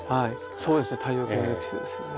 そうですね太陽系の歴史ですよね。